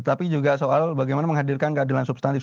tapi juga soal bagaimana menghadirkan keadilan substantif